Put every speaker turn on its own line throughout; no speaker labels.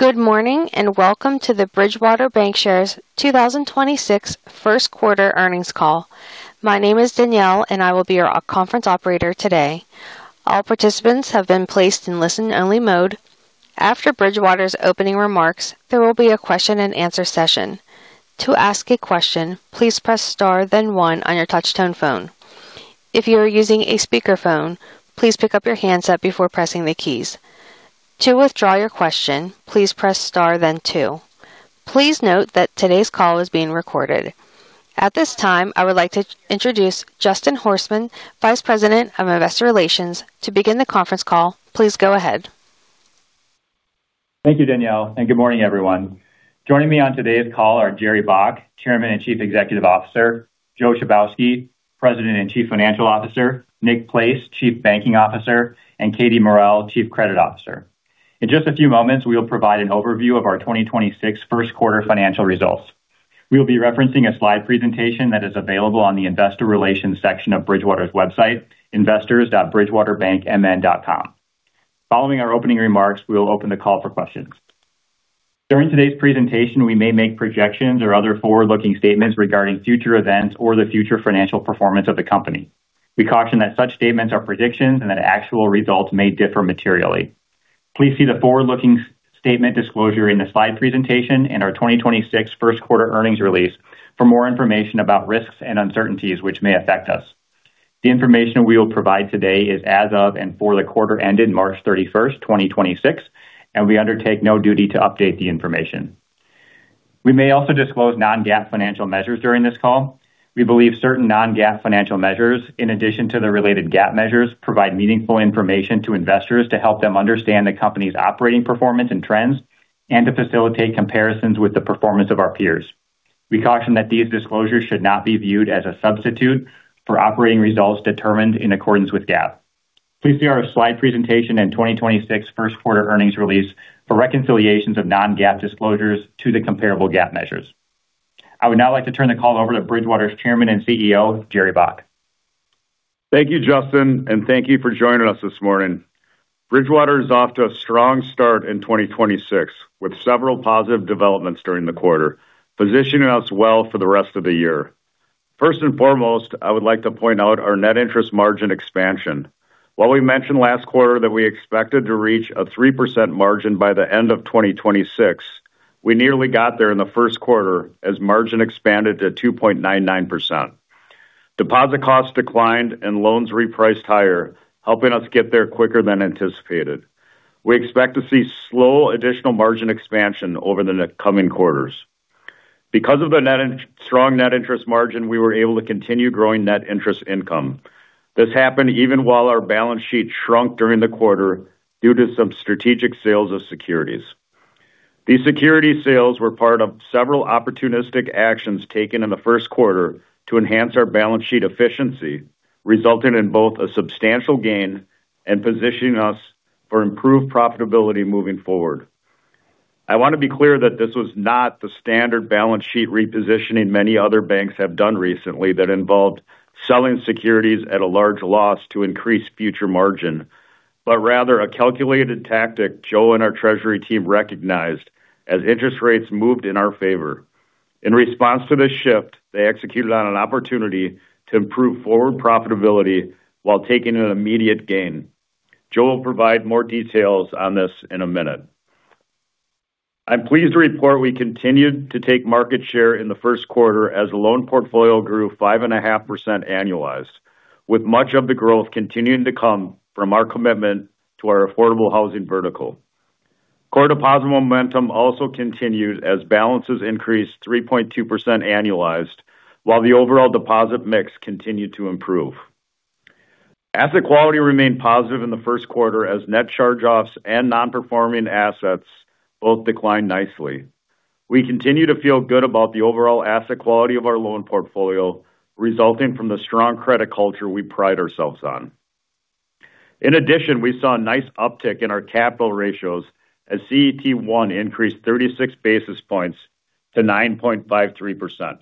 Good morning, and welcome to the Bridgewater Bancshares 2026 first quarter earnings call. My name is Danielle, and I will be your conference operator today. All participants have been placed in listen-only mode. After Bridgewater's opening remarks, there will be a question and answer session. To ask a question, please press star then one on your touch-tone phone. If you are using a speakerphone, please pick up your handset before pressing the keys. To withdraw your question, please press star then two. Please note that today's call is being recorded. At this time, I would like to introduce Justin Horstman, Vice President of Investor Relations. To begin the conference call, please go ahead.
Thank you, Danielle, and good morning, everyone. Joining me on today's call are Jerry Baack, Chairman and Chief Executive Officer, Joe Chybowski, President and Chief Financial Officer, Nick Place, Chief Banking Officer, and Katie Morrell, Chief Credit Officer. In just a few moments, we will provide an overview of our 2026 first quarter financial results. We will be referencing a slide presentation that is available on the investor relations section of Bridgewater's website, investors.bridgewaterbankmn.com. Following our opening remarks, we will open the call for questions. During today's presentation, we may make projections or other forward-looking statements regarding future events or the future financial performance of the company. We caution that such statements are predictions and that actual results may differ materially. Please see the forward-looking statement disclosure in the slide presentation and our 2026 first quarter earnings release for more information about risks and uncertainties which may affect us. The information we will provide today is as of and for the quarter ended March 31st, 2026, and we undertake no duty to update the information. We may also disclose non-GAAP financial measures during this call. We believe certain non-GAAP financial measures, in addition to the related GAAP measures, provide meaningful information to investors to help them understand the company's operating performance and trends and to facilitate comparisons with the performance of our peers. We caution that these disclosures should not be viewed as a substitute for operating results determined in accordance with GAAP. Please see our slide presentation and 2026 first quarter earnings release for reconciliations of non-GAAP disclosures to the comparable GAAP measures. I would now like to turn the call over to Bridgewater's Chairman and CEO, Jerry Baack.
Thank you, Justin, and thank you for joining us this morning. Bridgewater is off to a strong start in 2026 with several positive developments during the quarter, positioning us well for the rest of the year. First and foremost, I would like to point out our net interest margin expansion. While we mentioned last quarter that we expected to reach a 3% margin by the end of 2026, we nearly got there in the first quarter as margin expanded to 2.99%. Deposit costs declined and loans repriced higher, helping us get there quicker than anticipated. We expect to see slow additional margin expansion over the coming quarters. Because of the strong net interest margin, we were able to continue growing net interest income. This happened even while our balance sheet shrunk during the quarter due to some strategic sales of securities. These security sales were part of several opportunistic actions taken in the first quarter to enhance our balance sheet efficiency, resulting in both a substantial gain and positioning us for improved profitability moving forward. I want to be clear that this was not the standard balance sheet repositioning many other banks have done recently that involved selling securities at a large loss to increase future margin, but rather a calculated tactic Joe and our treasury team recognized as interest rates moved in our favor. In response to this shift, they executed on an opportunity to improve forward profitability while taking an immediate gain. Joe will provide more details on this in a minute. I'm pleased to report we continued to take market share in the first quarter as the loan portfolio grew 5.5% annualized, with much of the growth continuing to come from our commitment to our affordable housing vertical. Core deposit momentum also continued as balances increased 3.2% annualized while the overall deposit mix continued to improve. Asset quality remained positive in the first quarter as net charge-offs and non-performing assets both declined nicely. We continue to feel good about the overall asset quality of our loan portfolio resulting from the strong credit culture we pride ourselves on. In addition, we saw a nice uptick in our capital ratios as CET1 increased 36 basis points to 9.53%.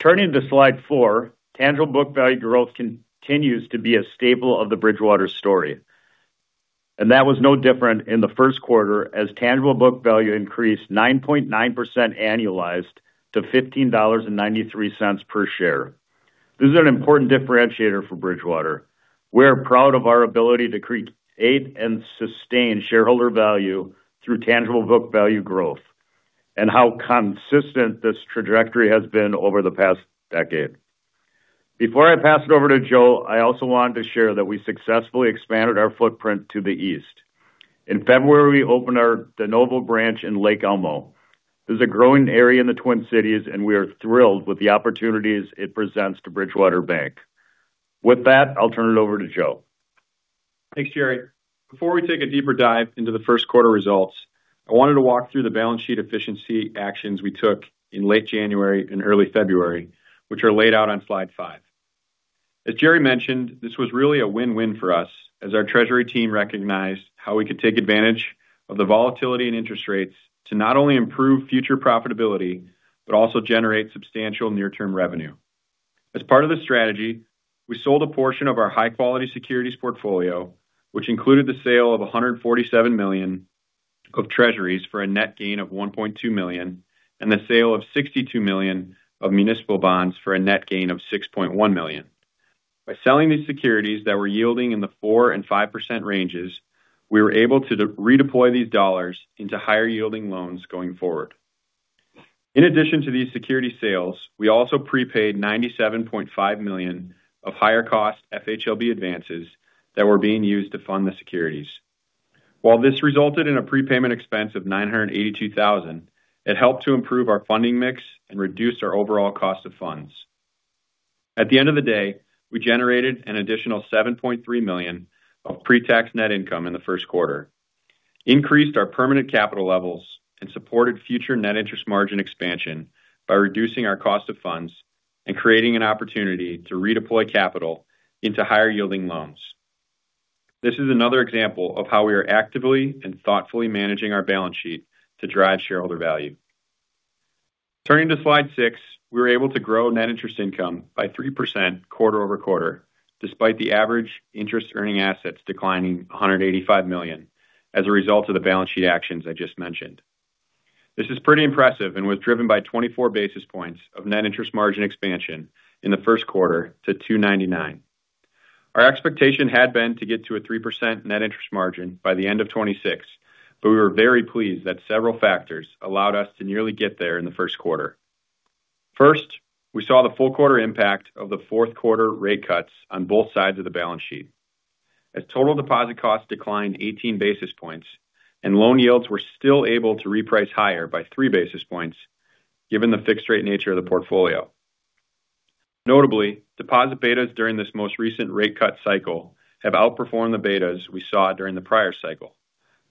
Turning to slide four, tangible book value growth continues to be a staple of the Bridgewater story. That was no different in the first quarter as tangible book value increased 9.9% annualized to $15.93 per share. This is an important differentiator for Bridgewater. We're proud of our ability to create and sustain shareholder value through tangible book value growth and how consistent this trajectory has been over the past decade. Before I pass it over to Joe, I also wanted to share that we successfully expanded our footprint to the east. In February, we opened our de novo branch in Lake Elmo. This is a growing area in the Twin Cities, and we are thrilled with the opportunities it presents to Bridgewater Bank. With that, I'll turn it over to Joe.
Thanks, Jerry. Before we take a deeper dive into the first quarter results, I wanted to walk through the balance sheet efficiency actions we took in late January and early February, which are laid out on slide five. As Jerry mentioned, this was really a win-win for us as our treasury team recognized how we could take advantage of the volatility in interest rates to not only improve future profitability, but also generate substantial near-term revenue. As part of the strategy, we sold a portion of our high-quality securities portfolio, which included the sale of $147 million of treasuries for a net gain of $1.2 million and the sale of $62 million of municipal bonds for a net gain of $6.1 million. By selling these securities that were yielding in the 4% and 5% ranges, we were able to redeploy these dollars into higher yielding loans going forward. In addition to these security sales, we also prepaid $97.5 million of higher cost FHLB advances that were being used to fund the securities. While this resulted in a prepayment expense of $982,000, it helped to improve our funding mix and reduce our overall cost of funds. At the end of the day, we generated an additional $7.3 million of pre-tax net income in the first quarter, increased our permanent capital levels, and supported future net interest margin expansion by reducing our cost of funds and creating an opportunity to redeploy capital into higher yielding loans. This is another example of how we are actively and thoughtfully managing our balance sheet to drive shareholder value. Turning to slide six, we were able to grow net interest income by 3% quarter-over-quarter, despite the average interest earning assets declining $185 million as a result of the balance sheet actions I just mentioned. This is pretty impressive and was driven by 24 basis points of net interest margin expansion in the first quarter to 299. Our expectation had been to get to a 3% net interest margin by the end of 2026, but we were very pleased that several factors allowed us to nearly get there in the first quarter. First, we saw the full quarter impact of the fourth quarter rate cuts on both sides of the balance sheet. As total deposit costs declined 18 basis points and loan yields were still able to reprice higher by 3 basis points given the fixed rate nature of the portfolio. Notably, deposit betas during this most recent rate cut cycle have outperformed the betas we saw during the prior cycle,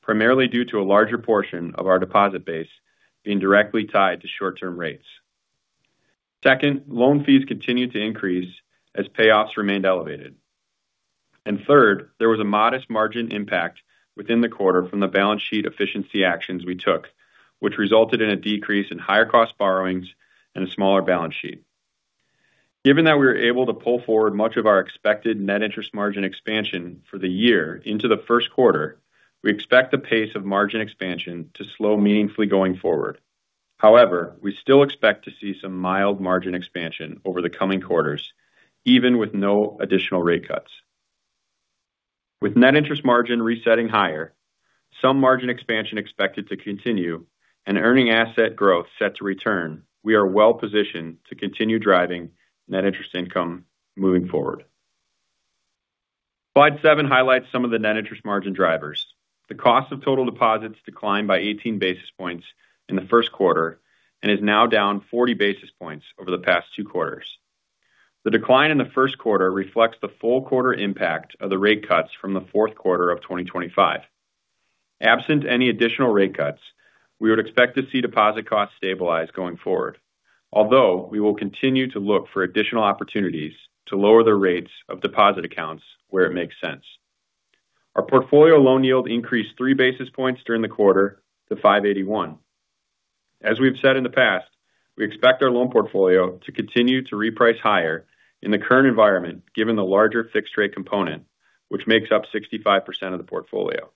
primarily due to a larger portion of our deposit base being directly tied to short-term rates. Second, loan fees continued to increase as payoffs remained elevated. Third, there was a modest margin impact within the quarter from the balance sheet efficiency actions we took, which resulted in a decrease in higher cost borrowings and a smaller balance sheet. Given that we were able to pull forward much of our expected net interest margin expansion for the year into the first quarter, we expect the pace of margin expansion to slow meaningfully going forward. However, we still expect to see some mild margin expansion over the coming quarters, even with no additional rate cuts. With net interest margin resetting higher, some margin expansion expected to continue, and earning asset growth set to return, we are well positioned to continue driving net interest income moving forward. Slide seven highlights some of the net interest margin drivers. The cost of total deposits declined by 18 basis points in the first quarter and is now down 40 basis points over the past two quarters. The decline in the first quarter reflects the full quarter impact of the rate cuts from the fourth quarter of 2025. Absent any additional rate cuts, we would expect to see deposit costs stabilize going forward, although we will continue to look for additional opportunities to lower the rates of deposit accounts where it makes sense. Our portfolio loan yield increased three basis points during the quarter to 581. As we've said in the past, we expect our loan portfolio to continue to reprice higher in the current environment, given the larger fixed rate component, which makes up 65% of the portfolio.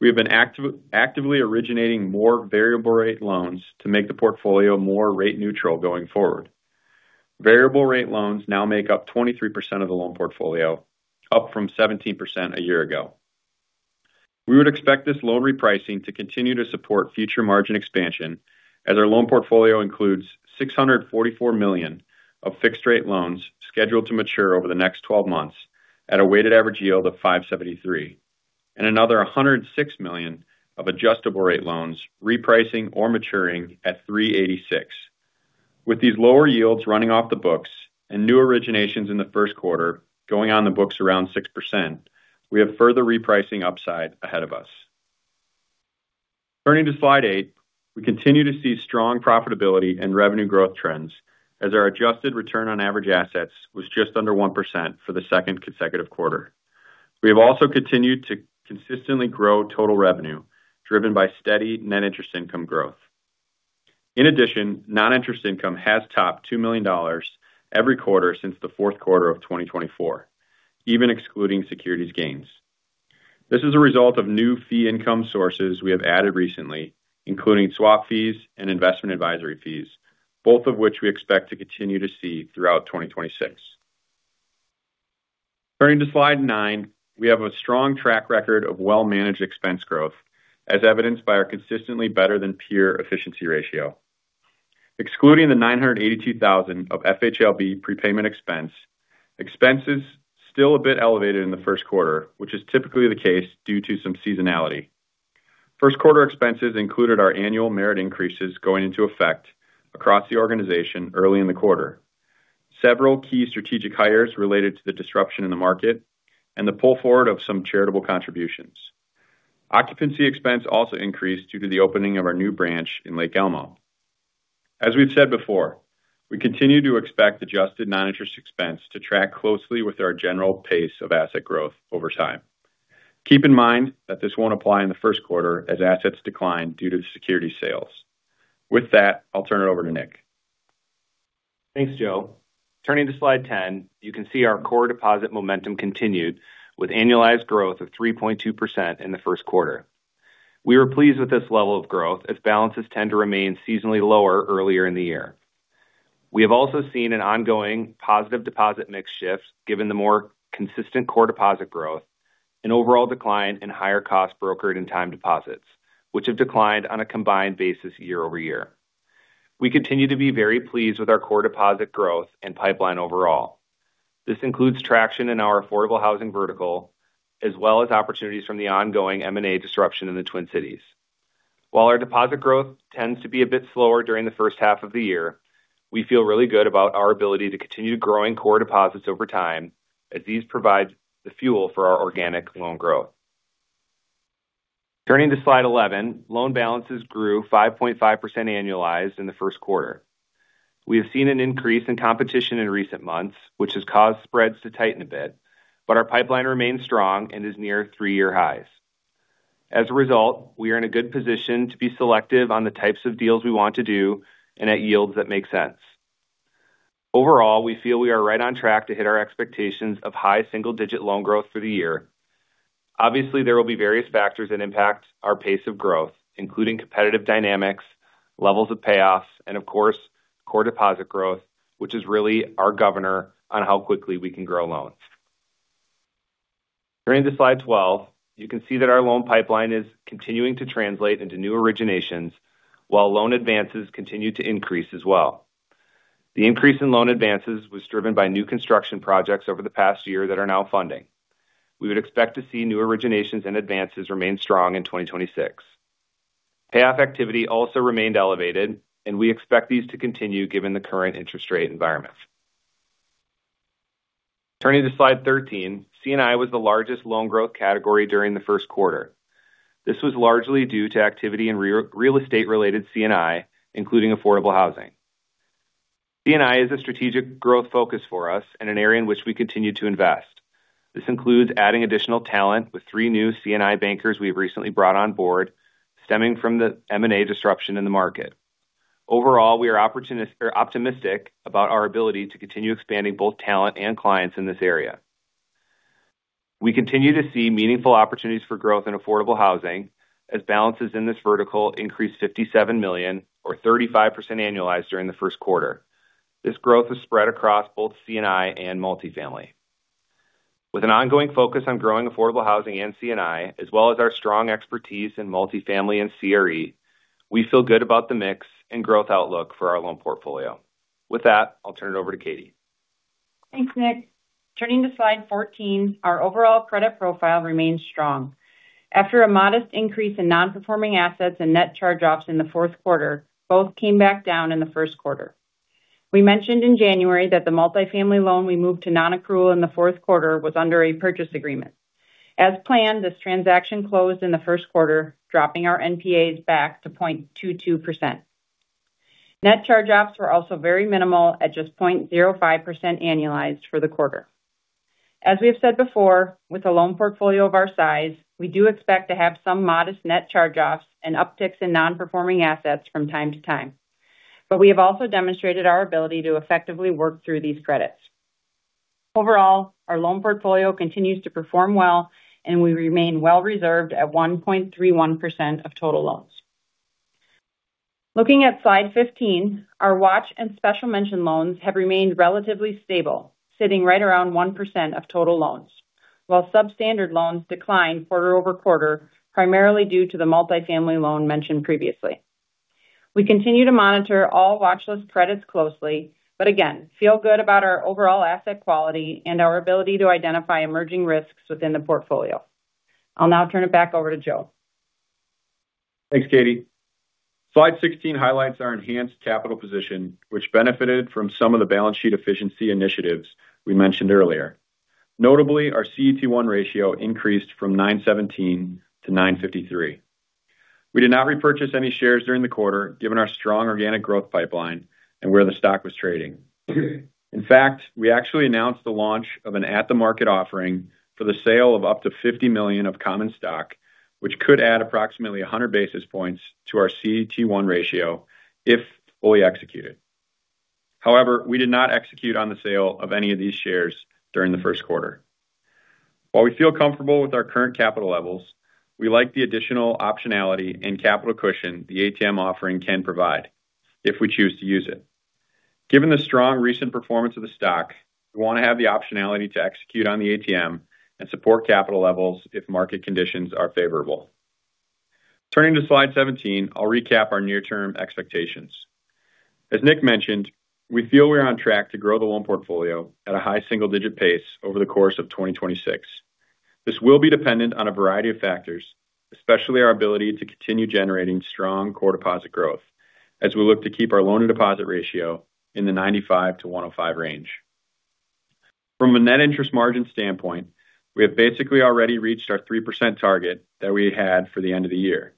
We have been actively originating more variable rate loans to make the portfolio more rate neutral going forward. Variable rate loans now make up 23% of the loan portfolio, up from 17% a year ago. We would expect this loan repricing to continue to support future margin expansion as our loan portfolio includes $644 million of fixed rate loans scheduled to mature over the next 12 months at a weighted average yield of 573. Another $106 million of adjustable rate loans repricing or maturing at 386. With these lower yields running off the books and new originations in the first quarter going on the books around 6%, we have further repricing upside ahead of us. Turning to slide eight, we continue to see strong profitability and revenue growth trends as our adjusted return on average assets was just under 1% for the second consecutive quarter. We have also continued to consistently grow total revenue, driven by steady net interest income growth. In addition, non-interest income has topped $2 million every quarter since the fourth quarter of 2024, even excluding securities gains. This is a result of new fee income sources we have added recently, including swap fees and investment advisory fees, both of which we expect to continue to see throughout 2026. Turning to slide nine, we have a strong track record of well-managed expense growth, as evidenced by our consistently better than peer efficiency ratio. Excluding the $982,000 of FHLB prepayment expense, expenses still a bit elevated in the first quarter, which is typically the case due to some seasonality. First quarter expenses included our annual merit increases going into effect across the organization early in the quarter, several key strategic hires related to the disruption in the market and the pull forward of some charitable contributions. Occupancy expense also increased due to the opening of our new branch in Lake Elmo. As we've said before, we continue to expect adjusted non-interest expense to track closely with our general pace of asset growth over time. Keep in mind that this won't apply in the first quarter as assets decline due to the security sales. With that, I'll turn it over to Nick.
Thanks, Joe. Turning to slide 10, you can see our core deposit momentum continued with annualized growth of 3.2% in the first quarter. We were pleased with this level of growth as balances tend to remain seasonally lower earlier in the year. We have also seen an ongoing positive deposit mix shift given the more consistent core deposit growth, an overall decline in higher cost brokered and time deposits, which have declined on a combined basis year-over-year. We continue to be very pleased with our core deposit growth and pipeline overall. This includes traction in our affordable housing vertical, as well as opportunities from the ongoing M&A disruption in the Twin Cities. While our deposit growth tends to be a bit slower during the first half of the year, we feel really good about our ability to continue growing core deposits over time as these provide the fuel for our organic loan growth. Turning to slide 11, loan balances grew 5.5% annualized in the first quarter. We have seen an increase in competition in recent months, which has caused spreads to tighten a bit, but our pipeline remains strong and is near three-year highs. As a result, we are in a good position to be selective on the types of deals we want to do and at yields that make sense. Overall, we feel we are right on track to hit our expectations of high single-digit loan growth for the year. Obviously, there will be various factors that impact our pace of growth, including competitive dynamics, levels of payoffs, and of course, core deposit growth, which is really our governor on how quickly we can grow loans. Turning to slide 12, you can see that our loan pipeline is continuing to translate into new originations while loan advances continue to increase as well. The increase in loan advances was driven by new construction projects over the past year that are now funding. We would expect to see new originations and advances remain strong in 2026. Payoff activity also remained elevated, and we expect these to continue given the current interest rate environment. Turning to slide 13, C&I was the largest loan growth category during the first quarter. This was largely due to activity in real estate-related C&I, including affordable housing. C&I is a strategic growth focus for us and an area in which we continue to invest. This includes adding additional talent with three new C&I bankers we've recently brought on board, stemming from the M&A disruption in the market. Overall, we are optimistic about our ability to continue expanding both talent and clients in this area. We continue to see meaningful opportunities for growth in affordable housing as balances in this vertical increased $57 million or 35% annualized during the first quarter. This growth was spread across both C&I and multifamily. With an ongoing focus on growing affordable housing and C&I, as well as our strong expertise in multifamily and CRE, we feel good about the mix and growth outlook for our loan portfolio. With that, I'll turn it over to Katie.
Thanks, Nick. Turning to slide 14, our overall credit profile remains strong. After a modest increase in non-performing assets and net charge-offs in the fourth quarter, both came back down in the first quarter. We mentioned in January that the multifamily loan we moved to non-accrual in the fourth quarter was under a purchase agreement. As planned, this transaction closed in the first quarter, dropping our NPAs back to 0.22%. Net charge-offs were also very minimal at just 0.05% annualized for the quarter. As we have said before, with a loan portfolio of our size, we do expect to have some modest net charge-offs and upticks in non-performing assets from time to time. We have also demonstrated our ability to effectively work through these credits. Overall, our loan portfolio continues to perform well, and we remain well reserved at 1.31% of total loans. Looking at slide 15, our watch and special mention loans have remained relatively stable, sitting right around 1% of total loans, while substandard loans declined quarter-over-quarter, primarily due to the multifamily loan mentioned previously. We continue to monitor all watchlist credits closely, but again, feel good about our overall asset quality and our ability to identify emerging risks within the portfolio. I'll now turn it back over to Joe.
Thanks, Katie. Slide 16 highlights our enhanced capital position, which benefited from some of the balance sheet efficiency initiatives we mentioned earlier. Notably, our CET1 ratio increased from 917-953. We did not repurchase any shares during the quarter, given our strong organic growth pipeline and where the stock was trading. In fact, we actually announced the launch of an at-the-market offering for the sale of up to 50 million of common stock, which could add approximately 100 basis points to our CET1 ratio if fully executed. However, we did not execute on the sale of any of these shares during the first quarter. While we feel comfortable with our current capital levels, we like the additional optionality and capital cushion the ATM offering can provide if we choose to use it. Given the strong recent performance of the stock, we want to have the optionality to execute on the ATM and support capital levels if market conditions are favorable. Turning to slide 17, I'll recap our near-term expectations. As Nick mentioned, we feel we are on track to grow the loan portfolio at a high single-digit pace over the course of 2026. This will be dependent on a variety of factors, especially our ability to continue generating strong core deposit growth as we look to keep our loan and deposit ratio in the 95%-105% range. From a net interest margin standpoint, we have basically already reached our 3% target that we had for the end of the year.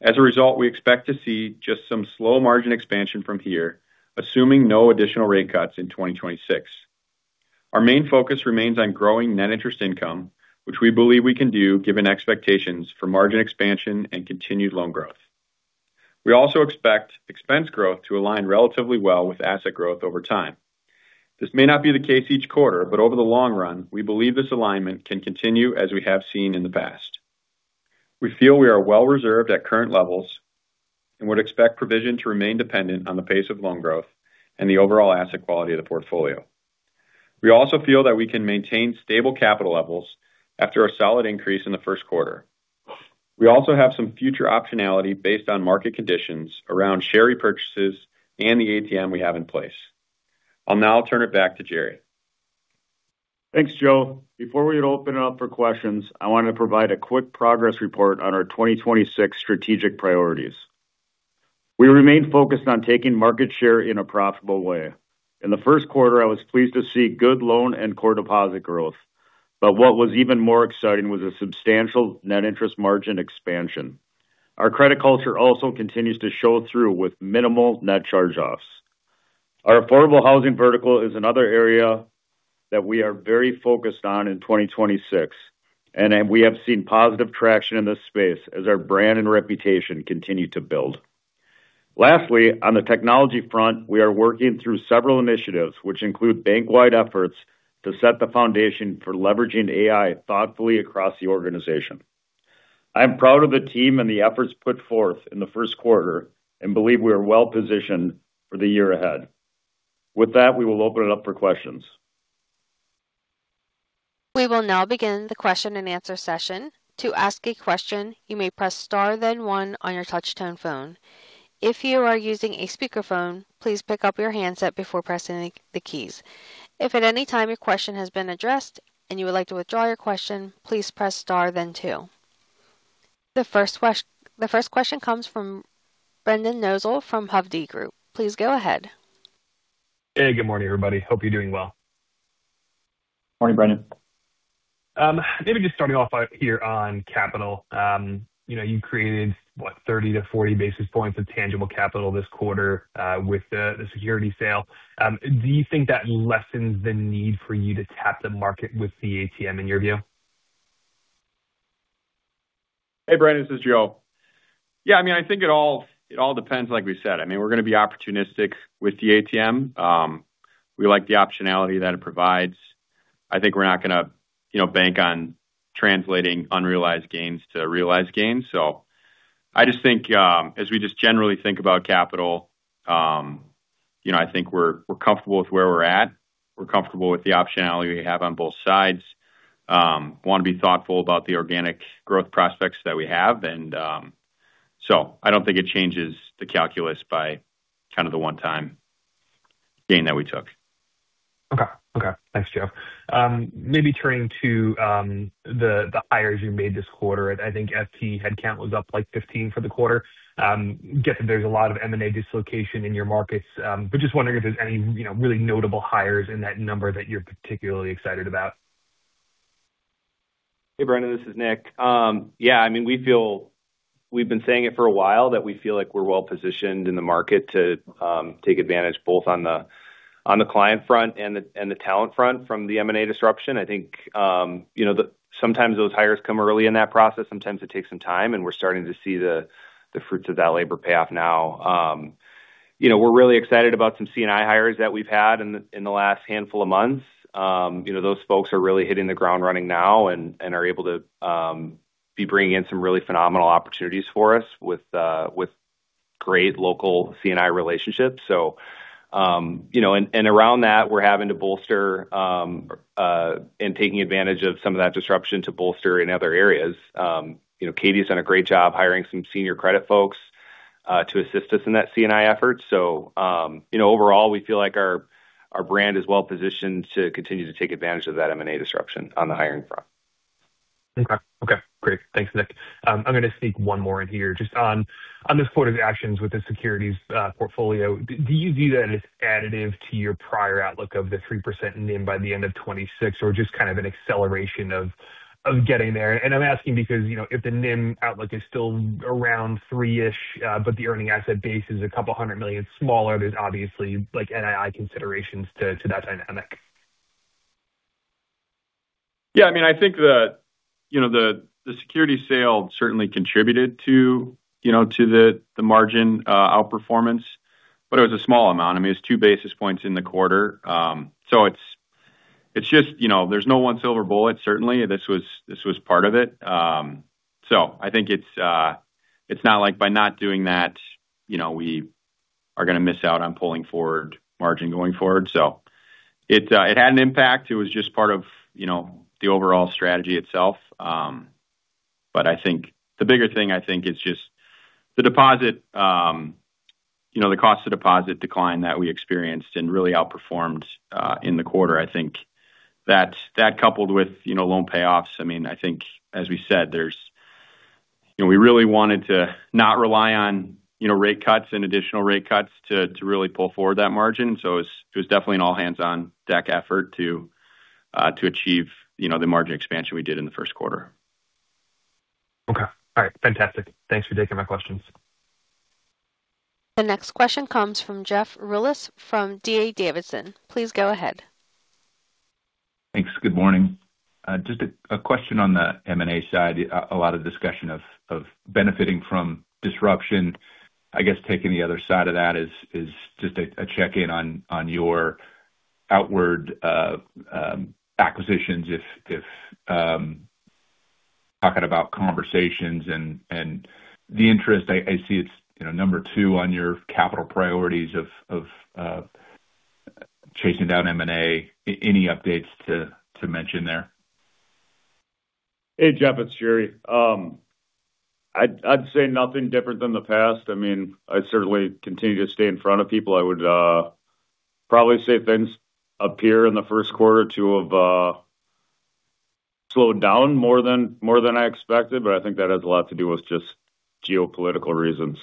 As a result, we expect to see just some slow margin expansion from here, assuming no additional rate cuts in 2026. Our main focus remains on growing net interest income, which we believe we can do given expectations for margin expansion and continued loan growth. We also expect expense growth to align relatively well with asset growth over time. This may not be the case each quarter, but over the long run, we believe this alignment can continue as we have seen in the past. We feel we are well reserved at current levels and would expect provision to remain dependent on the pace of loan growth and the overall asset quality of the portfolio. We also feel that we can maintain stable capital levels after a solid increase in the first quarter. We also have some future optionality based on market conditions around share repurchases and the ATM we have in place. I'll now turn it back to Jerry.
Thanks, Joe. Before we open it up for questions, I want to provide a quick progress report on our 2026 strategic priorities. We remain focused on taking market share in a profitable way. In the first quarter, I was pleased to see good loan and core deposit growth. What was even more exciting was a substantial net interest margin expansion. Our credit culture also continues to show through with minimal net charge-offs. Our affordable housing vertical is another area that we are very focused on in 2026, and we have seen positive traction in this space as our brand and reputation continue to build. Lastly, on the technology front, we are working through several initiatives which include bank-wide efforts to set the foundation for leveraging AI thoughtfully across the organization. I am proud of the team and the efforts put forth in the first quarter and believe we are well-positioned for the year ahead. With that, we will open it up for questions.
We will now begin the question and answer session. To ask a question, you may press star then one on your touchtone phone. If you are using a speakerphone, please pick up your handset before pressing the keys. If at any time your question has been addressed and you would like to withdraw your question, please press star then two. The first question comes from Brendan Nosal from Hovde Group. Please go ahead.
Hey, good morning, everybody. Hope you're doing well.
Morning, Brendan.
Maybe just starting off here on capital. You created, what? 30-40 basis points of tangible capital this quarter with the security sale. Do you think that lessens the need for you to tap the market with the ATM, in your view?
Hey, Brendan, this is Joe. Yeah, I think it all depends. Like we said, we're going to be opportunistic with the ATM. We like the optionality that it provides. I think we're not going to bank on translating unrealized gains to realized gains. I just think as we just generally think about capital, I think we're comfortable with where we're at. We're comfortable with the optionality we have on both sides. We want to be thoughtful about the organic growth prospects that we have. I don't think it changes the calculus by kind of the one-time gain that we took.
Okay. Thanks, Joe. Maybe turning to the hires you made this quarter. I think FTE headcount was up like 15 for the quarter. I get that there's a lot of M&A dislocation in your markets, but just wondering if there's any really notable hires in that number that you're particularly excited about.
Hey, Brendan, this is Nick. Yeah, we've been saying it for a while that we feel like we're well positioned in the market to take advantage both on the client front and the talent front from the M&A disruption. I think sometimes those hires come early in that process. Sometimes it takes some time, and we're starting to see the fruits of that labor pay off now. We're really excited about some C&I hires that we've had in the last handful of months. Those folks are really hitting the ground running now and are able to be bringing in some really phenomenal opportunities for us with great local C&I relationships. Around that, we're having to bolster and taking advantage of some of that disruption to bolster in other areas. Katie's done a great job hiring some senior credit folks to assist us in that C&I effort. Overall, we feel like our brand is well positioned to continue to take advantage of that M&A disruption on the hiring front.
Okay, great. Thanks, Nick. I'm going to sneak one more in here. Just on this quarter's actions with the securities portfolio, do you view that as additive to your prior outlook of the 3% NIM by the end of 2026, or just kind of an acceleration of getting there? I'm asking because if the NIM outlook is still around three-ish, but the earning asset base is $200 million smaller, there's obviously NII considerations to that dynamic.
Yeah. I think the security sale certainly contributed to the margin outperformance, but it was a small amount. It was two basis points in the quarter. There's no one silver bullet, certainly. This was part of it. I think it's not like by not doing that we are going to miss out on pulling forward margin going forward. It had an impact. It was just part of the overall strategy itself. The bigger thing I think is just the cost of deposits decline that we experienced and really outperformed in the quarter. I think that coupled with loan payoffs. I think as we said, we really wanted to not rely on rate cuts and additional rate cuts to really pull forward that margin. It was definitely an all hands on deck effort to achieve the margin expansion we did in the first quarter.
Okay. All right. Fantastic. Thanks for taking my questions.
The next question comes from Jeff Rulis from D.A. Davidson. Please go ahead.
Thanks. Good morning. Just a question on the M&A side. A lot of discussion of benefiting from disruption. I guess taking the other side of that is just a check-in on your outward acquisitions, if talking about conversations and the interest. I see it's number two on your capital priorities of chasing down M&A. Any updates to mention there?
Hey, Jeff, it's Jerry. I'd say nothing different than the past. I certainly continue to stay in front of people. I would probably say things appear in the first quarter to have slowed down more than I expected. I think that has a lot to do with just geopolitical reasons.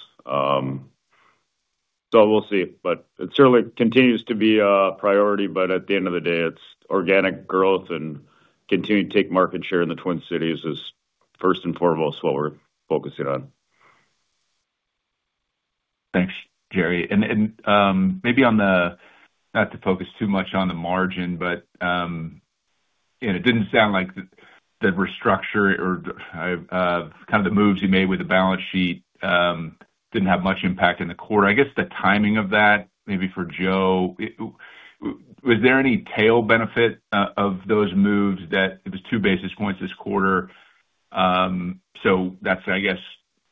We'll see, but it certainly continues to be a priority, but at the end of the day, it's organic growth and continuing to take market share in the Twin Cities is first and foremost what we're focusing on.
Thanks, Jerry. Maybe, not to focus too much on the margin, but it didn't sound like the restructure or kind of the moves you made with the balance sheet didn't have much impact in the quarter. I guess the timing of that, maybe for Joe, was there any tail benefit of those moves that it was two basis points this quarter? That's, I guess,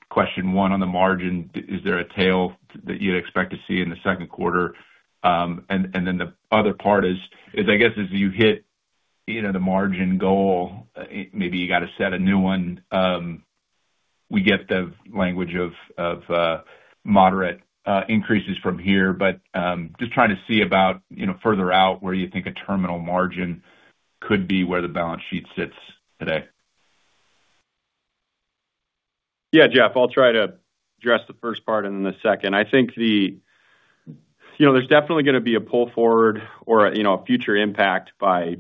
question one on the margin. Is there a tail that you'd expect to see in the second quarter? Then the other part is, I guess, as you hit the margin goal, maybe you got to set a new one. We get the language of moderate increases from here, but just trying to see about further out where you think a terminal margin could be, where the balance sheet sits today.
Yeah. Jeff, I'll try to address the first part and then the second. I think there's definitely going to be a pull forward or a future impact by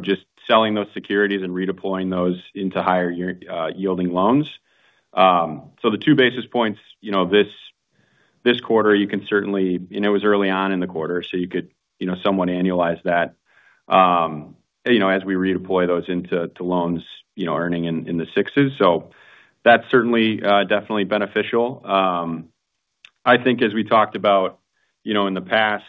just selling those securities and redeploying those into higher yielding loans. The 2 basis points this quarter, it was early on in the quarter, so you could somewhat annualize that as we redeploy those into loans earning in the sixes. That's certainly definitely beneficial. I think as we talked about in the past,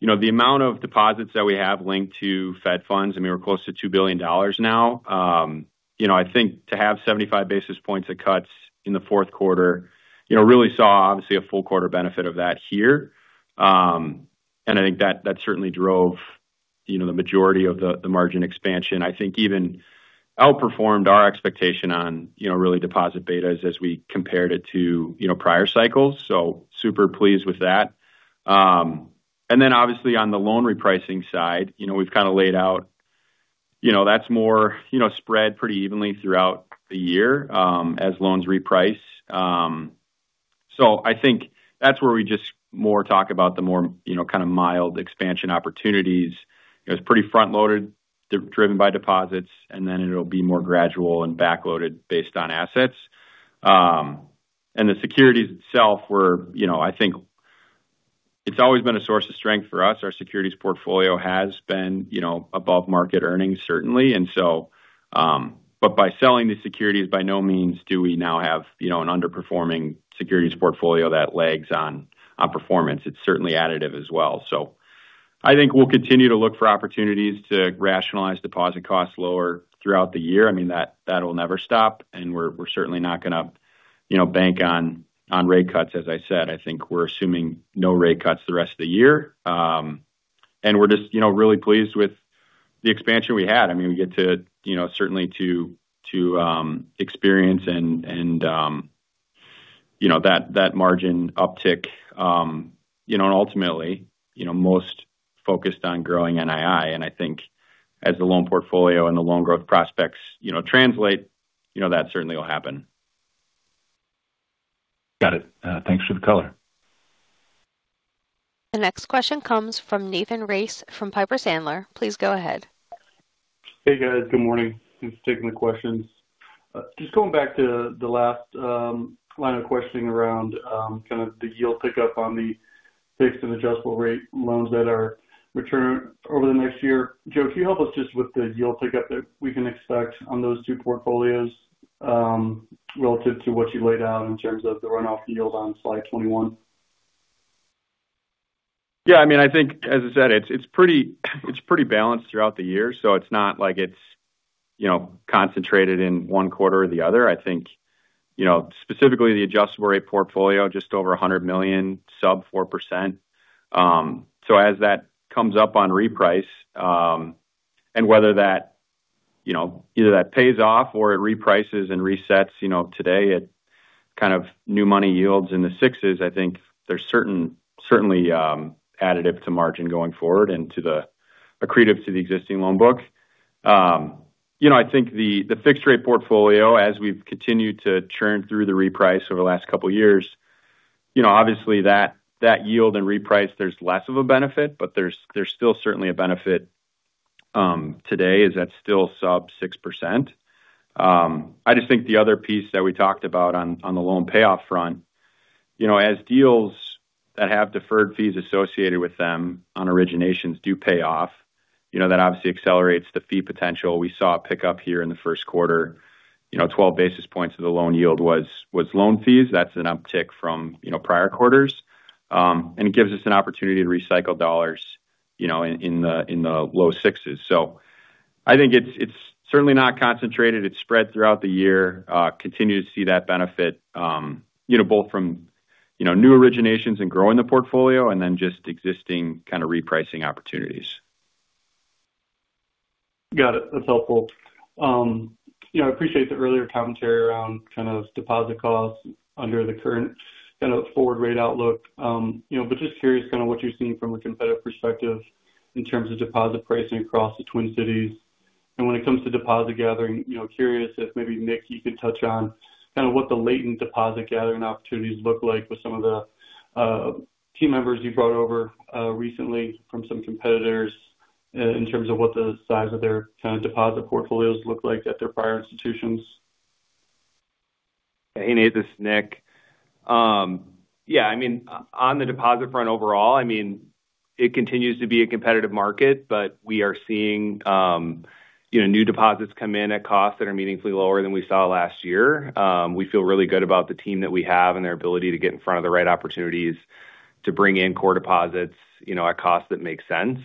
the amount of deposits that we have linked to Fed funds, I mean, we're close to $2 billion now. I think to have 75 basis points of cuts in the fourth quarter really saw, obviously, a full quarter benefit of that here. I think that certainly drove the majority of the margin expansion. I think we even outperformed our expectation on really deposit betas as we compared it to prior cycles. Super pleased with that. Then obviously on the loan repricing side, we've kind of laid out that's more spread pretty evenly throughout the year as loans reprice. I think that's where we just more talk about the more kind of mild expansion opportunities. It's pretty front-loaded, driven by deposits, and then it'll be more gradual and back-loaded based on assets. The securities itself were. I think it's always been a source of strength for us. Our securities portfolio has been above market earnings, certainly, but by selling the securities, by no means do we now have an underperforming securities portfolio that lags on performance. It's certainly additive as well. I think we'll continue to look for opportunities to rationalize deposit costs lower throughout the year. I mean, that will never stop. We're certainly not going to bank on rate cuts, as I said. I think we're assuming no rate cuts the rest of the year. We're just really pleased with the expansion we had. I mean, we've certainly gotten to experience that margin uptick. Ultimately, we're most focused on growing NII. I think as the loan portfolio and the loan growth prospects translate, that certainly will happen.
Got it. Thanks for the color.
The next question comes from Nathan Race from Piper Sandler. Please go ahead.
Hey, guys. Good morning. Thanks for taking the questions. Just going back to the last line of questioning around kind of the yield pickup on the fixed and adjustable rate loans that are returning over the next year. Joe, can you help us just with the yield pickup that we can expect on those two portfolios relative to what you laid out in terms of the runoff yield on slide 21?
Yeah. I think, as I said, it's pretty balanced throughout the year, so it's not like it's concentrated in one quarter or the other. I think specifically the adjustable rate portfolio, just over $100 million, sub 4%. So as that comes up on reprice and whether that either that pays off or it reprices and resets today at kind of new money yields in the sixes, I think there's certainly additive to margin going forward and accretive to the existing loan book. I think the fixed rate portfolio, as we've continued to churn through the reprice over the last couple of years. Obviously that yield and reprice, there's less of a benefit, but there's still certainly a benefit today, as that's still sub 6%. I just think the other piece that we talked about on the loan payoff front, as deals that have deferred fees associated with them on originations do pay off, that obviously accelerates the fee potential. We saw a pickup here in the first quarter. 12 basis points of the loan yield was loan fees. That's an uptick from prior quarters. It gives us an opportunity to recycle dollars in the low sixes. I think it's certainly not concentrated. It's spread throughout the year. We continue to see that benefit both from new originations and growing the portfolio and then just existing kind of repricing opportunities.
Got it. That's helpful. I appreciate the earlier commentary around deposit costs under the current kind of forward rate outlook. Just curious kind of what you're seeing from a competitive perspective in terms of deposit pricing across the Twin Cities. When it comes to deposit gathering, curious if maybe, Nick, you could touch on kind of what the latent deposit gathering opportunities look like with some of the team members you brought over recently from some competitors in terms of what the size of their kind of deposit portfolios look like at their prior institutions.
Hey, Nate, this is Nick. Yeah, on the deposit front overall, it continues to be a competitive market, but we are seeing new deposits come in at costs that are meaningfully lower than we saw last year. We feel really good about the team that we have and their ability to get in front of the right opportunities to bring in core deposits at costs that make sense.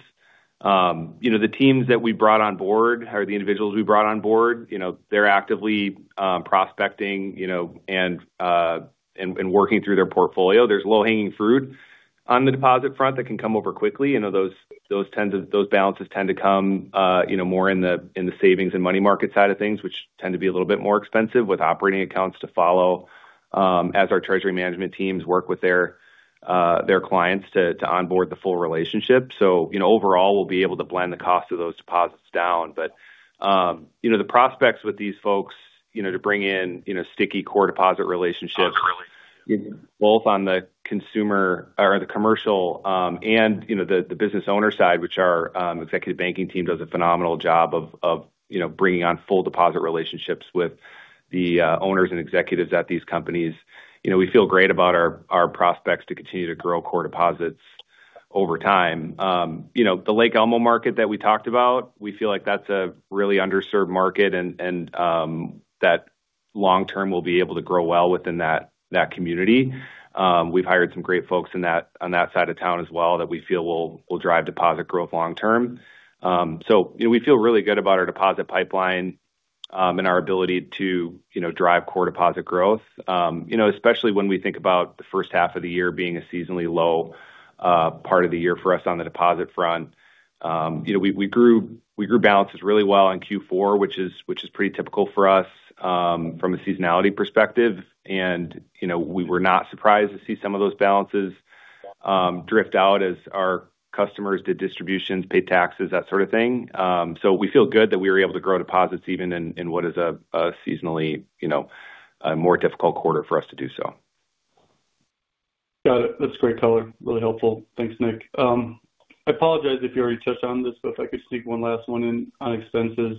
The teams that we brought on board, or the individuals we brought on board, they're actively prospecting and working through their portfolio. There's low-hanging fruit on the deposit front that can come over quickly. Those balances tend to come more in the savings and money market side of things, which tend to be a little bit more expensive with operating accounts to follow as our treasury management teams work with their clients to onboard the full relationship. Overall, we'll be able to blend the cost of those deposits down. The prospects with these folks to bring in sticky core deposit relationships.
Oh, sorry....
both on the consumer or the commercial, and the business owner side, which our executive banking team does a phenomenal job of bringing on full deposit relationships with the owners and executives at these companies. We feel great about our prospects to continue to grow core deposits over time. The Lake Elmo market that we talked about, we feel like that's a really underserved market, and that long-term we'll be able to grow well within that community. We've hired some great folks on that side of town as well that we feel will drive deposit growth long-term. We feel really good about our deposit pipeline and our ability to drive core deposit growth. Especially when we think about the first half of the year being a seasonally low part of the year for us on the deposit front. We grew balances really well in Q4, which is pretty typical for us from a seasonality perspective. We were not surprised to see some of those balances drift out as our customers did distributions, paid taxes, that sort of thing. We feel good that we were able to grow deposits even in what is a seasonally more difficult quarter for us to do so.
Got it. That's great color, really helpful. Thanks, Nick. I apologize if you already touched on this, but if I could sneak one last one in on expenses?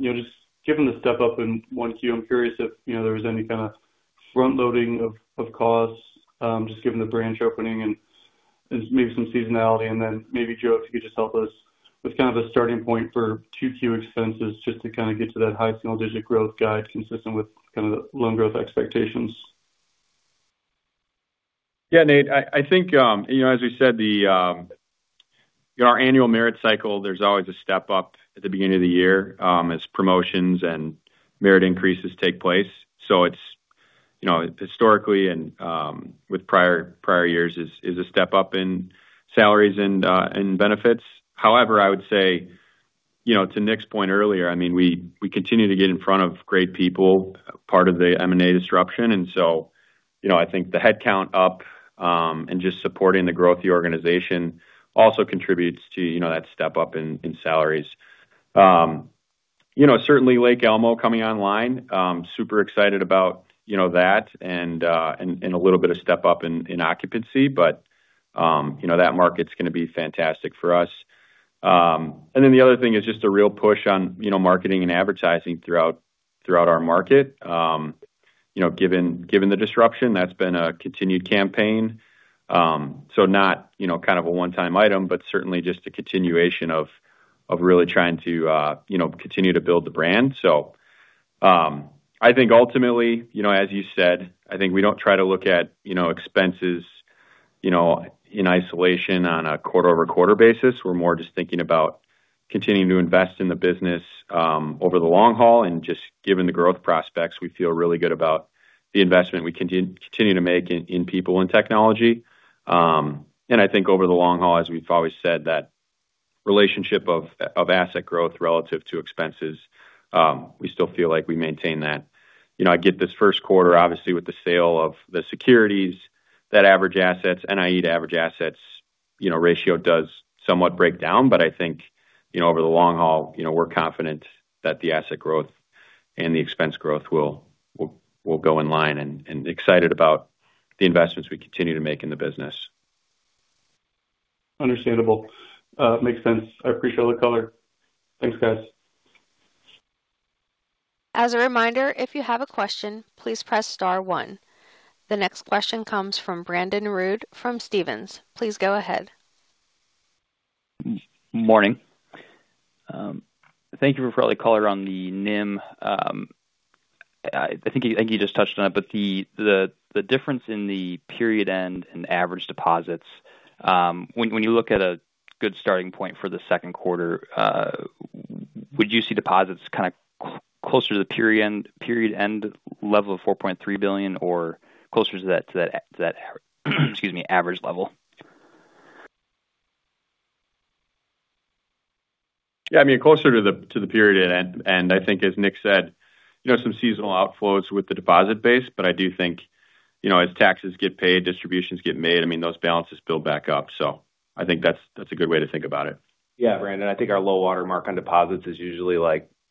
Just given the step-up in 1Q, I'm curious if there was any kind of front-loading of costs, just given the branch opening and maybe some seasonality, and then maybe, Joe, if you could just help us with kind of a starting point for 2Q expenses just to kind of get to that high single-digit growth guide consistent with kind of the loan growth expectations?
Yeah, Nate, I think, as we said, in our annual merit cycle, there's always a step-up at the beginning of the year as promotions and merit increases take place. Historically, and with prior years, is a step-up in salaries and benefits. However, I would say to Nick's point earlier, we continue to get in front of great people, part of the M&A disruption. I think the headcount up and just supporting the growth of the organization also contributes to that step-up in salaries. Certainly Lake Elmo coming online, super excited about that and a little bit of step-up in occupancy. That market's going to be fantastic for us. The other thing is just the real push on marketing and advertising throughout our market. Given the disruption, that's been a continued campaign. Not kind of a one-time item, but certainly just a continuation of really trying to continue to build the brand. I think ultimately as you said, I think we don't try to look at expenses in isolation on a quarter-over-quarter basis. We're more just thinking about continuing to invest in the business over the long haul. Just given the growth prospects, we feel really good about the investment we continue to make in people and technology. I think over the long haul, as we've always said, that relationship of asset growth relative to expenses, we still feel like we maintain that. I get this first quarter, obviously, with the sale of the securities, that average assets, NIE to average assets. Ratio does somewhat break down, but I think over the long haul, we're confident that the asset growth and the expense growth will go in line, and excited about the investments we continue to make in the business.
Understandable. Makes sense. I appreciate all the color. Thanks, guys.
As a reminder, if you have a question, please press star one. The next question comes from Brandon Rud from Stephens. Please go ahead.
Morning. Thank you for all the color on the NIM. I think you just touched on it, but the difference in the period end and average deposits, when you look at a good starting point for the second quarter, would you see deposits kind of closer to the period end level of $4.3 billion, or closer to that excuse me, average level?
Yeah. I mean, closer to the period end. I think, as Nick said, some seasonal outflows with the deposit base. I do think, as taxes get paid, distributions get made, those balances build back up. I think that's a good way to think about it.
Yeah, Brandon, I think our low water mark on deposits is usually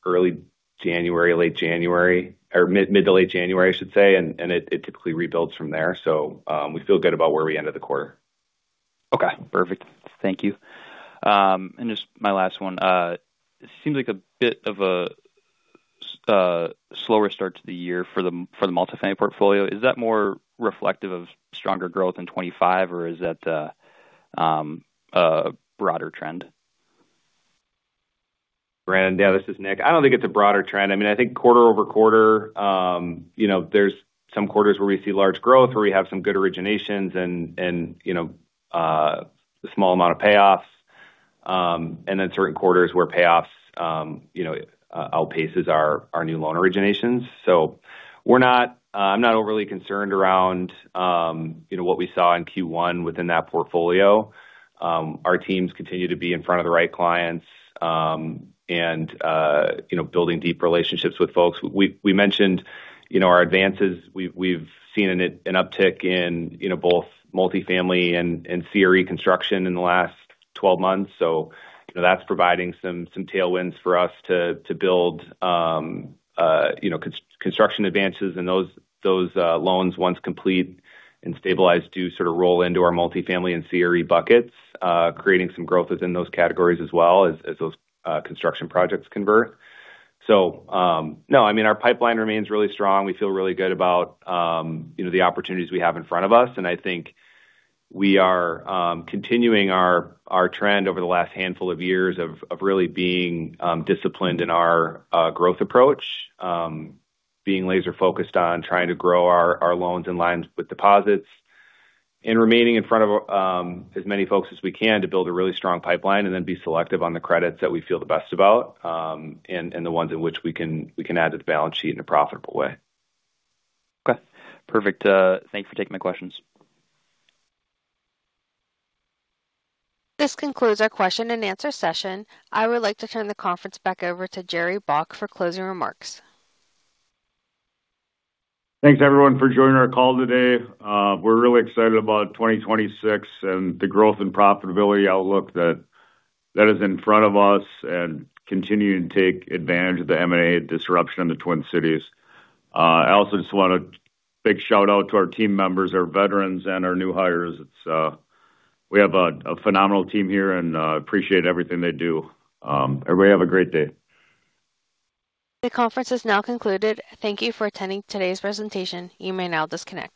early January, late January or mid to late January, I should say. It typically rebuilds from there. We feel good about where we ended the quarter.
Okay, perfect. Thank you. Just my last one. It seems like a bit of a slower start to the year for the multifamily portfolio. Is that more reflective of stronger growth in 2025, or is that a broader trend?
Brandon? Yeah, this is Nick. I don't think it's a broader trend. I think quarter-over-quarter, there's some quarters where we see large growth, where we have some good originations and a small amount of payoffs. Certain quarters where payoffs outpaces our new loan originations. I'm not overly concerned around what we saw in Q1 within that portfolio. Our teams continue to be in front of the right clients and building deep relationships with folks. We mentioned our advances. We've seen an uptick in both multifamily and CRE construction in the last 12 months. That's providing some tailwinds for us to build construction advances and those loans, once complete and stabilized, do sort of roll into our multifamily and CRE buckets, creating some growth within those categories as well as those construction projects convert. Our pipeline remains really strong. We feel really good about the opportunities we have in front of us, and I think we are continuing our trend over the last handful of years of really being disciplined in our growth approach, being laser-focused on trying to grow our loans in line with deposits, and remaining in front of as many folks as we can to build a really strong pipeline and then be selective on the credits that we feel the best about, and the ones in which we can add to the balance sheet in a profitable way.
Okay, perfect. Thank you for taking my questions.
This concludes our question and answer session. I would like to turn the conference back over to Jerry Baack for closing remarks.
Thanks, everyone, for joining our call today. We're really excited about 2026 and the growth and profitability outlook that is in front of us, and continuing to take advantage of the M&A disruption in the Twin Cities. I also just want a big shout-out to our team members, our veterans, and our new hires. We have a phenomenal team here, and I appreciate everything they do. Everybody have a great day.
The conference is now concluded. Thank you for attending today's presentation. You may now disconnect.